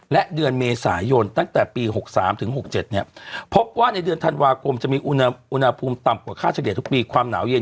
และเดือนเมษายนตั้งแต่ปี๖๓ถึง๖๗พบว่าในเดือนธันวาคมจะมีอุณหภูมิต่ำกว่าค่าเฉลี่ยทุกปีความหนาวเย็น